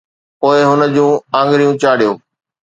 پوءِ هن جون آڱريون چاڙهيون